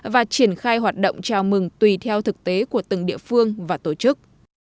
và triển khai hoạt động chào mừng tùy theo thực tế của từng địa phương và tổ chức